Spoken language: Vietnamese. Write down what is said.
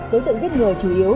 đối tượng giết người chủ yếu